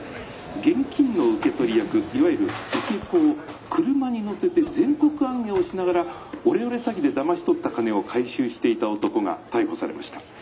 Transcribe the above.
現金の受け取り役いわゆる『受け子』を車に乗せて全国行脚をしながらオレオレ詐欺でだまし取った金を回収していた男が逮捕されました。